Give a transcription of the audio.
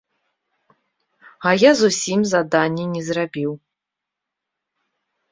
А я зусім заданне не зрабіў.